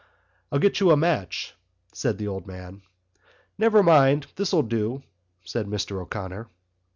"I'll get you a match," said the old man. "Never mind, this'll do," said Mr O'Connor.